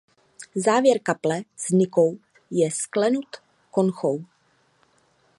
Závěr kaple s nikou je sklenut konchou.